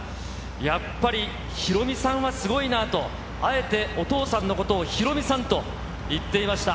やっぱりヒロミさんはすごいなと、あえてお父さんのことをヒロミさんと言っていました。